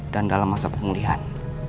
dan dalam masa pengulian